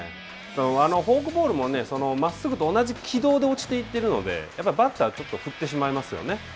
あのフォークボールもまっすぐと同じ軌道で落ちていっているので、やっぱりバッターはちょっと振ってしまいますよね。